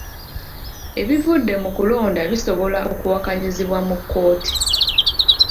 Ebivudde mu kulonda bisobola okuwakanyizibwa mu kkooti.